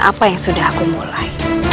apa yang sudah aku mulai